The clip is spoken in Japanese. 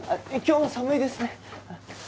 今日も寒いですね。